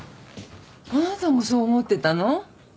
あなたもそう思ってたの？